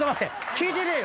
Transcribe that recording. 聞いてねえよ。